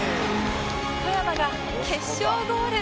富山が決勝ゴール